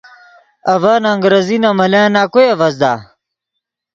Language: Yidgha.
اڤن انگریزی نے ملن نَکوئے اڤزدا۔